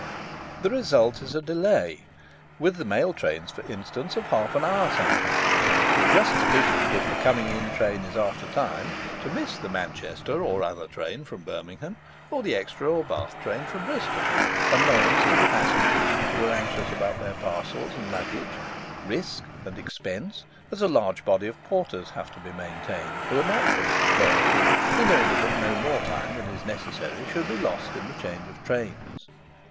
"The result is a delay, with the Mail trains, for instance, of half an hour sometimes, just sufficient if the coming in train is after time, to miss the Manchester or other train from Birmingham, or the Exeter or Bath train from Bristol; annoyance to the passengers, who are anxious about their parcels and luggage; risk, and expense, as a large body of porters have to be maintained, who are not fully employed, in order that no more time than is necessary should be lost in the change of trains.